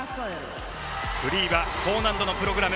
フリーは高難度のプログラム